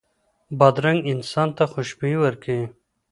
بادرنګ انسان ته خوشبويي ورکوي.